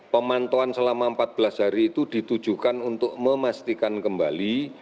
pemantauan selama empat belas hari itu ditujukan untuk memastikan kembali